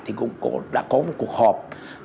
thì cũng đã có một cuộc họp